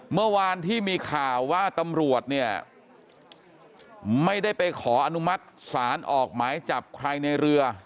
เมื่อวานที่มีข่าวว่าตำรวจเนี่ยไม่ได้ไปขออนุมัติศาลออกหมายจับใครในเรือ